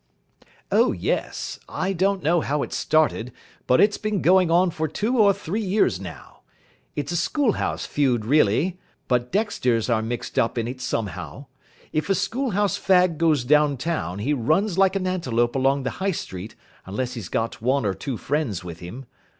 "Oh yes. I don't know how it started, but it's been going on for two or three years now. It's a School House feud really, but Dexter's are mixed up in it somehow. If a School House fag goes down town he runs like an antelope along the High Street, unless he's got one or two friends with him.